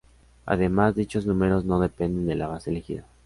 Además, dichos números no dependen de la base elegida.